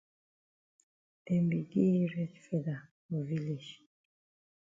Dem be gi yi red feather for village.